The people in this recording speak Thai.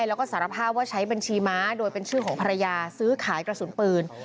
แล้วก็สารภาพว่าใช้บัญชีม้าโดยเป็นชื่อของภรรยาซื้อขายกระสุนปืน